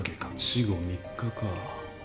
死後３日か。